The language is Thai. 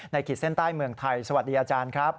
ขีดเส้นใต้เมืองไทยสวัสดีอาจารย์ครับ